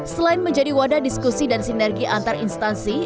selain menjadi wadah diskusi dan sinergi antar instansi